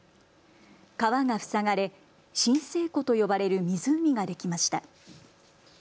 川が塞がれ震生湖と呼ばれる湖ができました。